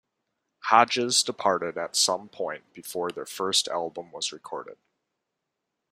Hodges departed at some point before their first album was recorded.